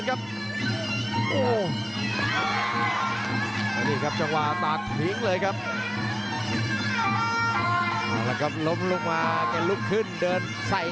อันวัดเบียดเข้ามาอันวัดโดนชวนแรกแล้ววางแค่ขวาแล้วเสียบด้วยเขาซ้าย